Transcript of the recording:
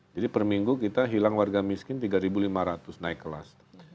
jadi perminggu kita hilang warga miskin tiga ribu lima ratus naik kelas